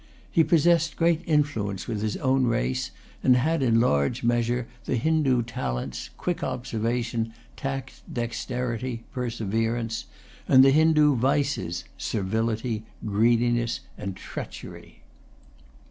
He possessed great influence with his own race, and had in large measure the Hindoo talents, quick observation, tact, dexterity, perseverance, and the Hindoo vices, servility, greediness, and treachery.